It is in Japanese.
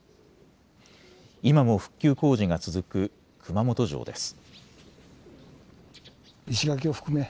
今も復旧工事が続く熊本城です。